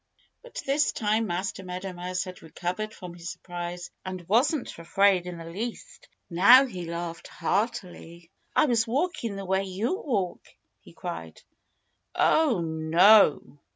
By this time Master Meadow Mouse had recovered from his surprise and wasn't afraid in the least. Now he laughed heartily. "I was walking the way you walk," he cried. "Oh, no!"